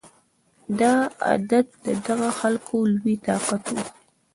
دا عادت د دغه خلکو لوی طاقت و